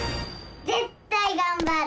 ぜったいがんばる！